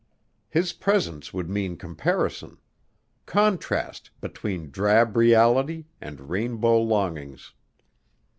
His presence would mean comparison; contrast between drab reality and rainbow longings.